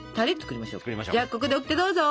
じゃあここでオキテどうぞ！